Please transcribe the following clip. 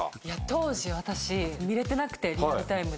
当時私見れてなくてリアルタイムで。